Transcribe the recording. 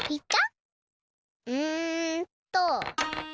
うんと。